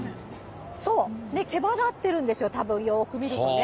そう、毛羽立ってるんですよ、たぶん、よーく見るとね。